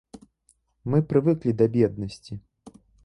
Мы прывыклі да беднасці.